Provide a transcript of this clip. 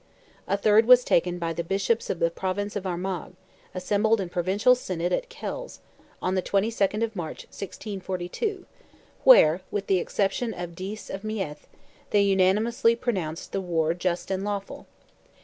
A third was taken by the Bishops of the Province of Armagh, assembled in Provincial Synod at Kells, on the 22nd of March, 1642, where, with the exception of Dease of Meath, they unanimously pronounced "the war just and lawful."